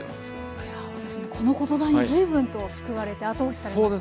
いや私もこの言葉に随分と救われて後押しされました。